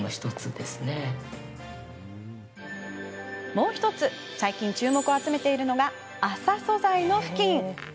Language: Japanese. もう１つ、最近注目を集めているのが麻素材のふきん。